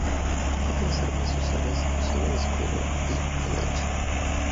Otras armas usadas son el escudo y el el hacha.